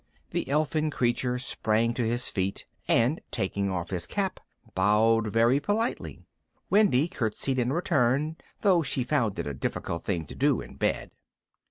The elfin creature sprang to his feet, and taking off his cap, bowed very politely. Wendy curtsied in return, though she found it a difficult thing to do in bed.